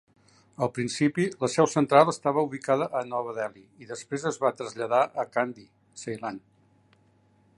Al principi, la seu central estava ubicada a Nova Delhi, i després es va traslladar a Kandy, Ceylon.